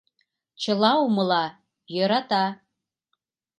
Чыла умыла, йӧрата